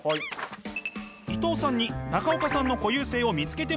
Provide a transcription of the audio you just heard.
伊藤さんに中岡さんの固有性を見つけてもらいます。